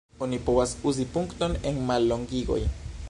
Oni povas uzi punkton en mallongigoj.